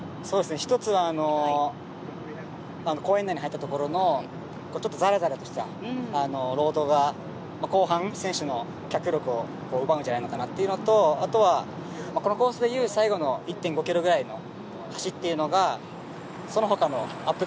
一つは、公園内に入ったところのザラザラとしたロードが後半選手の脚力を奪うんじゃないのかなというのとあとはこのコースでいう最後の１．５ｋｍくらいの橋というのがその他のアップ